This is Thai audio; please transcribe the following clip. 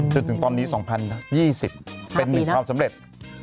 จนถึงตอนนี้๒๐๒๐เป็น๑ความสำเร็จ